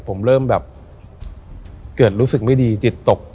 ผมเริ่มแบบเกิดรู้สึกไม่ดีจิตตก